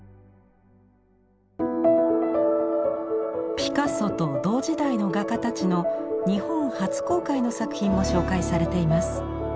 ピカソと同時代の画家たちの日本初公開の作品も紹介されています。